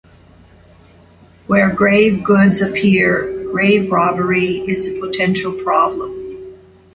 Where grave goods appear, grave robbery is a potential problem.